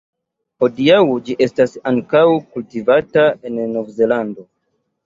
Hodiaŭ ĝi estas ankaŭ kultivata en Nov-Zelando.